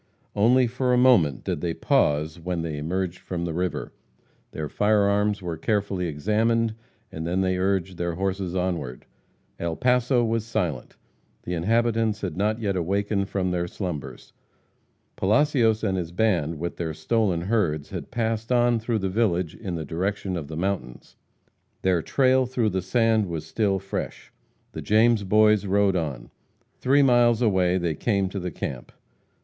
Only for a moment did they pause when they emerged from the river. Their fire arms were carefully examined, and then they urged their horses onward. El Paso was silent. The inhabitants had not yet awakened from their slumbers. Palacios and his band, with their stolen herds, had passed on through the village in the direction of the mountains. Their trail through the sand was still fresh. The James Boys rode on. Three miles away they came to the camp.